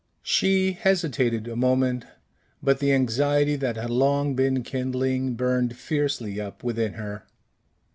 She hesitated a moment, but the anxiety that had long been kindling burned fiercely up within her.